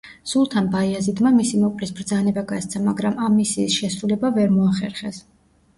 სულთან ბაიაზიდმა მისი მოკვლის ბრძანება გასცა, მაგრამ ამ მისიის შესრულება ვერ მოახერხეს.